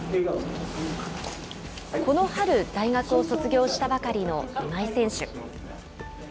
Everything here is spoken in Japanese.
この春、大学を卒業したばかりの今井選手。